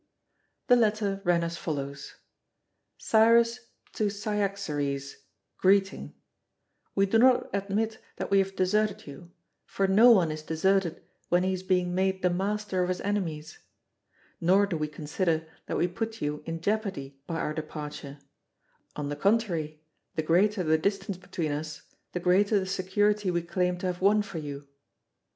The letter ran as follows: "Cyrus to Cyaxares, greeting. We do not admit that we have deserted you; for no one is deserted when he is being made the master of his enemies. Nor do we consider that we put you in jeopardy by our departure; on the contrary, the greater the distance between us the greater the security we claim to have won for you.